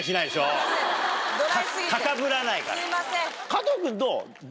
加藤君どう？